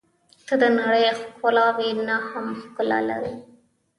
• ته د نړۍ ښکلاوې نه هم ښکلا لرې.